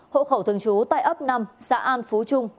hộ khẩu thường trú tại ấp năm xã an phú trung